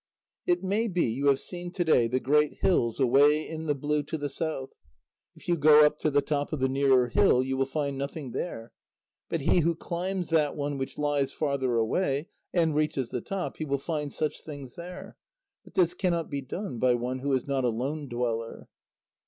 "It may be you have seen to day the great hills away in the blue to the south; if you go up to the top of the nearer hill, you will find nothing there, but he who climbs that one which lies farther away, and reaches the top, he will find such things there. But this cannot be done by one who is not a lone dweller."